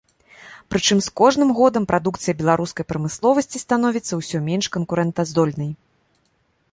Прычым з кожным годам прадукцыя беларускай прамысловасці становіцца ўсё менш канкурэнтаздольнай.